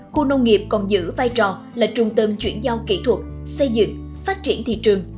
khu nông nghiệp còn giữ vai trò là trung tâm chuyển giao kỹ thuật xây dựng phát triển thị trường